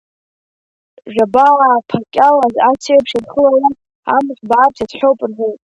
Жәабаа-ԥакьал асеиԥш ианхылалак амш бааԥс иазҳәоуп рҳәоит.